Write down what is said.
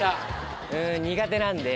苦手なんで。